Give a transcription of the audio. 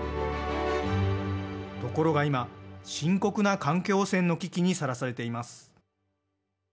ところが、いま深刻な環境汚染の危機にさらされています。